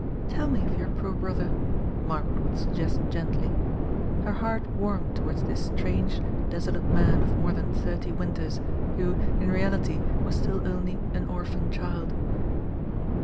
" Tell me of your poor brother," Margaret would suggest A STRANGE DUCK IN THE POND. 305 gently. Her heart warmed towards this strange, desolate man of more than thirty winters, who, in reality, was still only an orphan child.